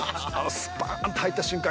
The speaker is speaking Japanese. スパーンと入った瞬間